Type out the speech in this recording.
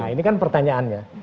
nah ini kan pertanyaannya